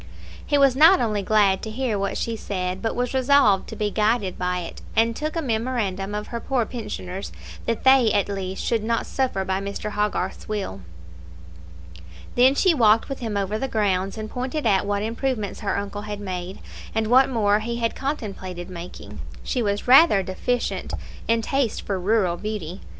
He was not only glad to hear what she said, but was resolved to be guided by it, and took a memorandum of her poor pensioners, that they, at least, should not suffer by Mr. Hogarth's will. Then she walked with him over the grounds, and pointed out what improvements her uncle had made, and what more he had contemplated making. She was rather deficient in taste for rural beauty.